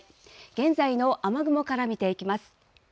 現在の雨雲から見ていきます。